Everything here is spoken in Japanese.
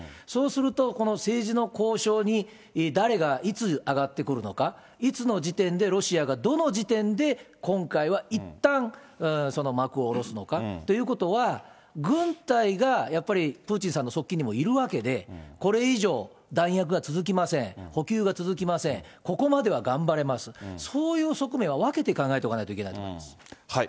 そうすると、この政治の交渉に誰が、いつ、上がってくるのか、いつの時点でロシアがどの時点で、今回はいったん幕をおろすのかということは、軍隊が、やっぱりプーチンさんの側近にもいるわけで、これ以上、弾薬が続きません、補給が続きません、ここまでは頑張れます、そういう側面は分けて考えておかないといけないと思います。